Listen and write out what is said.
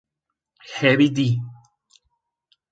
Heavy D!